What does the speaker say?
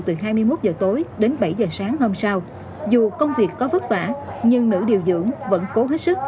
từ hai mươi một h tối đến bảy h sáng hôm sau dù công việc có vất vả nhưng nữ điều dưỡng vẫn cố hết sức